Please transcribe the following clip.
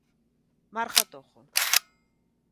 Marga Tojo.